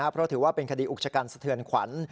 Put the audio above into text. เพราะถือว่าเป็นคดีอุกชกันสะเทือนขวัญ